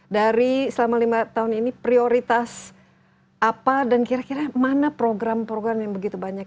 dari selama lima tahun ini prioritas apa dan kira kira mana program program yang begitu banyak